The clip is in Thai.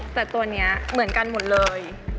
แต่ตัวนี้เหมือนกันหมดเลย